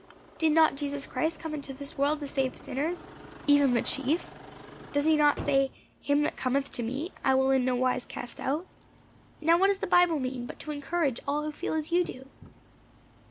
Did not Jesus Christ come into this world to save sinners, even the chief? Does he not say, 'Him that cometh to me, I will in nowise cast out'? Now what does the Bible mean, but to encourage all who feel as you do?"